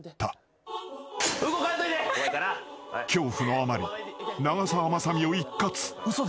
［恐怖のあまり長澤まさみを一喝］